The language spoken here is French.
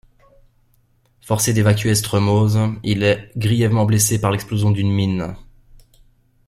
Forcé d'évacuer Estremoz, il est grièvement blessé par l'explosion d'une mine.